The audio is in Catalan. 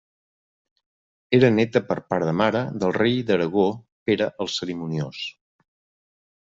Era néta per part de mare del rei d'Aragó Pere el Cerimoniós.